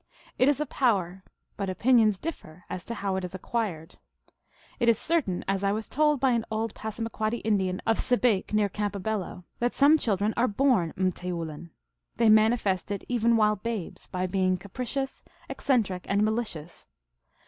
It is a power, but opinions differ as to how it is acquired. It is certain, as I was told by an old Passamaquoddy Indian, of Sebayk, near Campobello, that some children are born rrfteoulin. They manifest it, even while babes, by being capricious, eccentric, and malicious.